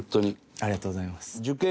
ありがとうございます。